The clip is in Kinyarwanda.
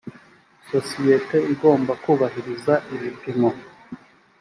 sosiyete igomba kubahiriza ibipimo